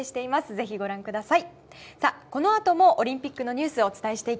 ぜひご覧ください。